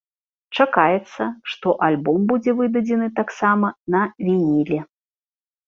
Чакаецца, што альбом будзе выдадзены таксама на вініле.